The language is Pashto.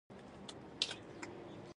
د طبیعي پیښو په صورت کې حکومت مرسته کوي؟